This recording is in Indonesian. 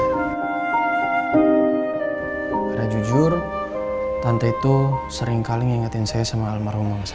karena jujur tante itu seringkali ngingetin saya sama almarhum bangsa saya